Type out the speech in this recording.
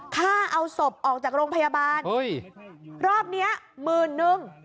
ค่าเอาศพออกจากโรงพยาบาลเฮ้ยรอบนี้มืนนึง